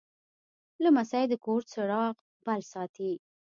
لمسی د کور چراغ بل ساتي.